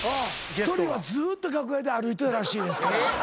１人はずっと楽屋で歩いてるらしいですから。